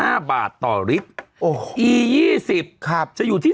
พี่โอ๊คบอกว่าเขินถ้าต้องเป็นเจ้าภาพเนี่ยไม่ไปร่วมงานคนอื่นอะได้